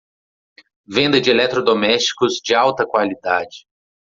Venda de eletrodomésticos de alta qualidade